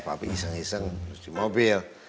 tapi iseng iseng harus di mobil